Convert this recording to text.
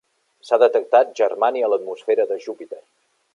S'ha detectat germani a l'atmosfera de Júpiter.